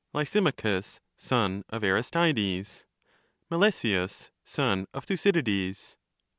Ltsimachus, son of Aristides. ' Nicias. Melesias, son of Thucydides.